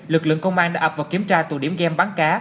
lực lượng công an đã ập vào kiểm tra tụ điểm game bán cá